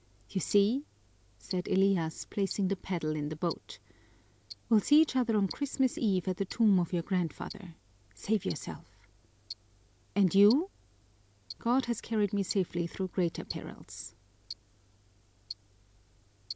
"You see!" said Elias, placing the paddle in the boat. "We'll see each other on Christmas Eve at the tomb of your grandfather. Save yourself." "And you?" "God has carried me safely through greater perils."